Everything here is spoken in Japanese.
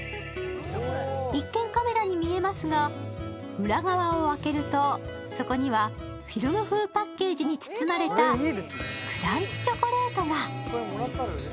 一見、カメラに見えますが、裏側を開けるとそこにはフィルム風パッケージに包まれたクランチチョコレートが。